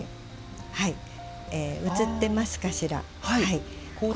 映ってますかしら。